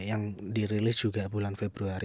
yang dirilis juga bulan februari